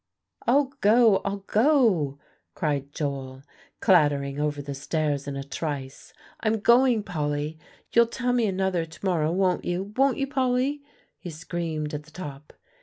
"I'll go, I'll go," cried Joel, clattering over the stairs in a trice "I'm going, Polly you'll tell me another to morrow, won't you won't you, Polly?" he screamed at the top.